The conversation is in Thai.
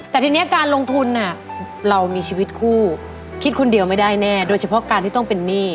แต่ทีนี้การลงทุนเรามีชีวิตคู่คิดคนเดียวไม่ได้แน่โดยเฉพาะการที่ต้องเป็นหนี้